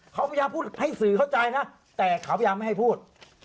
เขาพยายามพูดให้สื่อเข้าใจนะแต่เขาพยายามไม่ให้พูด